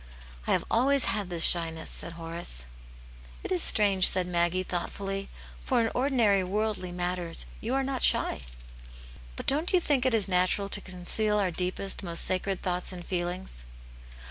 '* I have always had this shyness," said Horace. It is strange," said Maggie, thoughtfully. " For in ordinary worldly matters you are not shy." " But don't you think it is natural to conceal our deepest, most sacred thoughts and feelings